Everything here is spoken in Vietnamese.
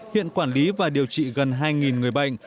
hiện quản lý và điều trị gần hai người bệnh